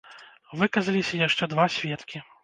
Выказаліся яшчэ два сведкі.